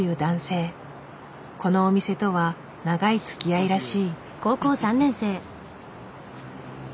このお店とは長いつきあいらしい。